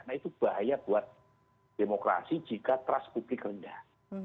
nah itu bahaya buat demokrasi jika trust publik rendah